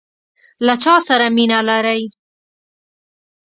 له چاسره مینه لرئ؟